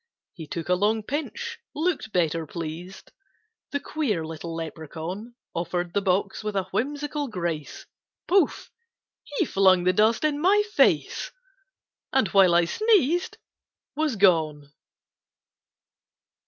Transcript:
He took a long pinch, look'd better pleased, The queer little Lepracaun; Offer'd the box with a whimsical grace, Pouf! he flung the dust in my face, And, while I sneezed, Was gone!